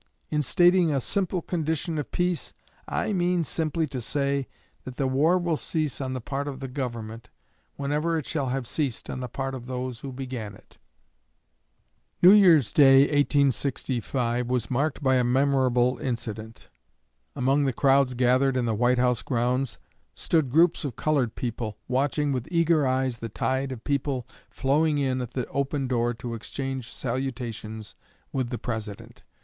In stating a single condition of peace, I mean simply to say that the war will cease on the part of the Government whenever it shall have ceased on the part of those who began it." New Year's day, 1865, was marked by a memorable incident. Among the crowds gathered in the White House grounds stood groups of colored people, watching with eager eyes the tide of people flowing in at the open door to exchange salutations with the President.